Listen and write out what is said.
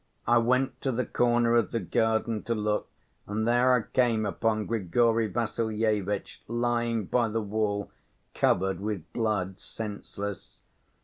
I went to the corner of the garden to look, and there I came upon Grigory Vassilyevitch lying by the wall, covered with blood, senseless.